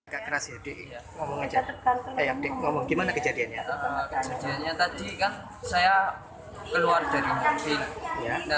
kejadiannya tadi kan saya keluar dari mobil